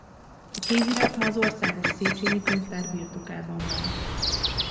A kézirat ma az Országos Széchényi Könyvtár birtokában van.